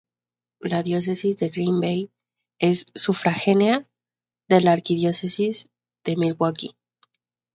La Diócesis de Green Bay es sufragánea de la Arquidiócesis de Milwaukee.